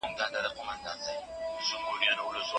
آيا د مطالعې تنده به په رښتيا د ټولني ذوق بدل کړي؟